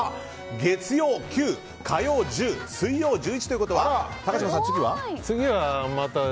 月曜、９火曜、１０水曜、１１ということは高嶋さん、次は？